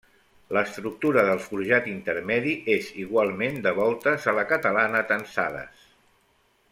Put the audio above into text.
L'estructura del forjat intermedi és igualment de voltes a la catalana tensades.